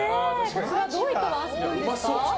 これはどういったワンスプーンですか？